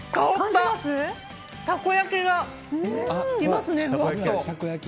たこ焼きがきますね、ふわっと。